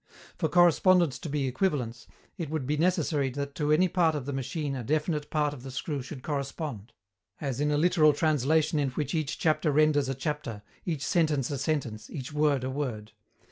For correspondence to be equivalence, it would be necessary that to any part of the machine a definite part of the screw should correspond as in a literal translation in which each chapter renders a chapter, each sentence a sentence, each word a word.